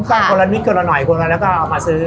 คนละนิดคนละหน่อยคนละแล้วก็เอามาซื้อ